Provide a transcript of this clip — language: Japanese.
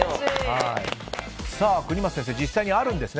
國松先生、実際にあるんですね